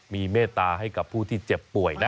มีเมตตาให้กับผู้ที่เจ็บป่วยนะ